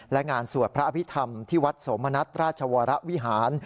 และงานสวดพระอภิษฐรรมที่วัดโสมณัฐราชวรวิหาร